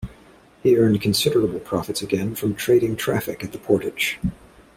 He earned considerable profits again from trading traffic at the portage.